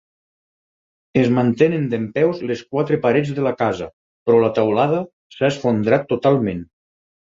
Es mantenen dempeus les quatre parets de la casa però la teulada s'ha esfondrat totalment.